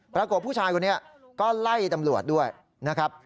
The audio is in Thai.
ปรากฏว่าผู้ชายคนนี้ก็ไล่ตำรวจด้วยนะครับ